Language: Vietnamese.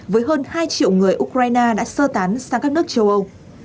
với hơn hai triệu người ukraine đã sơ tán sang các nước châu âu